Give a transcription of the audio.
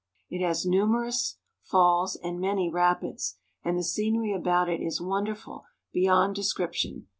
It has numer ous falls and many rapids, and the scenery about it is wonderful beyond description.